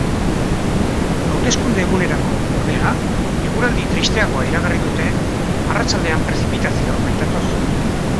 Hauteskunde egunerako, ordea, eguraldi tristeagoa iragarri dute, arratsaldean prezipitazioak baitatoz.